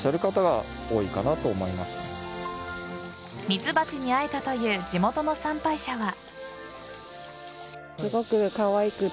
ミツバチに会えたという地元の参拝者は。